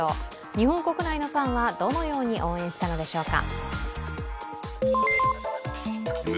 日本国内のファンはどのように応援したのでしょうか？